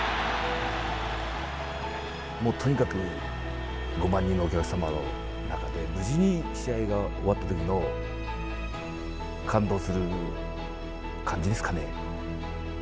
もうとにかく５万人のお客様の中で、無事に試合が終わったときの感動する感じですかね。